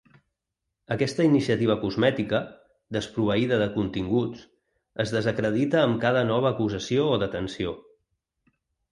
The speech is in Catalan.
Aquesta iniciativa cosmètica, desproveïda de continguts, es desacredita amb cada nova acusació o detenció.